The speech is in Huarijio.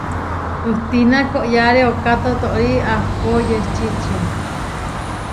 Hustína koʼyáre ooká totóri ahpó yečí ičió.